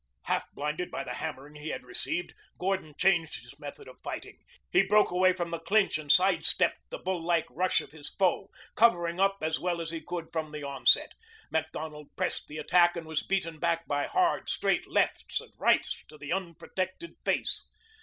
Half blinded by the hammering he had received, Gordon changed his method of fighting. He broke away from the clinch and sidestepped the bull like rush of his foe, covering up as well as he could from the onset. Macdonald pressed the attack and was beaten back by hard, straight lefts and rights to the unprotected face.